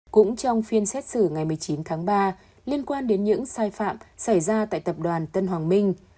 cũng trong phiên xét xử ngày một mươi chín tháng ba liên quan đến những sai phạm xảy ra tại tập đoàn tân hoàng minh